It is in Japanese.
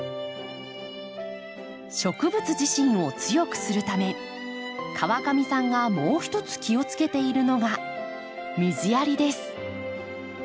植物自身を強くするため川上さんがもう一つ気をつけているのが水やりです。